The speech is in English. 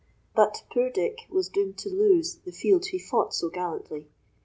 But poor Dick was doomed to lose the field he fought so gallantly.